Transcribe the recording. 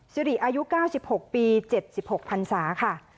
สิริอายุ๙๖ปี๗๖พันศาค่ะ